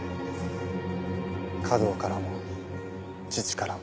華道からも父からも。